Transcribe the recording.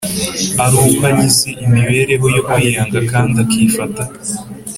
ari uko agize imibereho yo kwiyanga kandi akifata